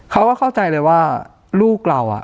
เขาก็เข้าใจเลยว่าลูกเราอะ